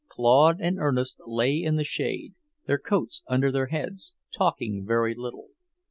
Claude and Ernest lay in the shade, their coats under their heads, talking very little.